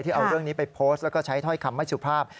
เอาเรื่องนี้ไปโพสต์แล้วก็ใช้ถ้อยคำไม่สุภาพ